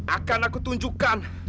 akan aku tunjukkan